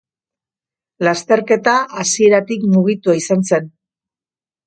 Lasterketa hasieratik mugitua izan zen.